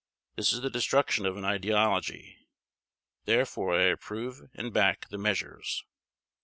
This is the destruction of an ideology. Therefore I approve and back the measures."